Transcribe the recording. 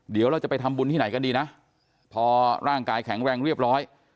เดี๋ยวเราจะไปทำบุญที่ไหนกันดีนะพอร่างกายแข็งแรงเรียบร้อย